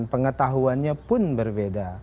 pengetahuannya pun berbeda